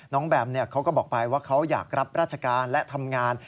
แบมเขาก็บอกไปว่าเขาอยากรับราชการและทำงาน